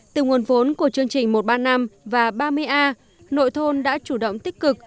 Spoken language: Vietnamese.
từ nguồn vốn của chương trình một trăm ba mươi năm và ba mươi a nội thôn đã chủ động tích cực